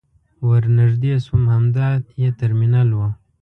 ور نژدې شوم همدا يې ترمینل و.